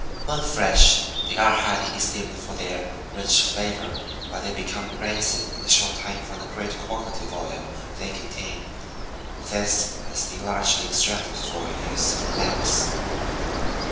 When fresh, they are highly esteemed for their rich flavor; but they become rancid in a short time from the great quantity of oil they contain. This has been largely extracted for use in lamps.